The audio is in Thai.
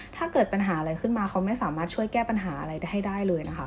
ถ้าเกิดปัญหาอะไรขึ้นมาเขาไม่สามารถช่วยแก้ปัญหาอะไรได้ให้ได้เลยนะคะ